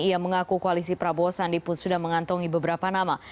ia mengaku koalisi prabowo sandi pun sudah mengantongi beberapa nama